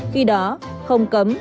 khi đó không cấm